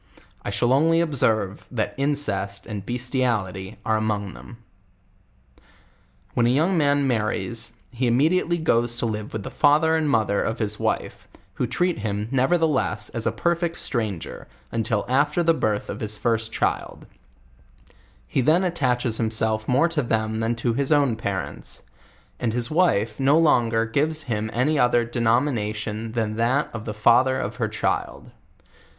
I shall only observe, that incest and bestiality are among them. When a young man marries, he immediately goes to livb with the father and mathercf his wife, who treat him, nev ertheless, as a perfect stranger, until after the birth of his first child: he then attaches himself more to them than to his own parents; and his wife no longer gives him any other denomination than that of the father of her child.